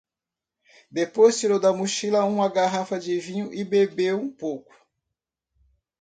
Depois tirou da mochila uma garrafa de vinho e bebeu um pouco.